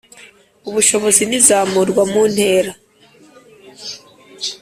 ubushobozi n’izamurwa mu ntera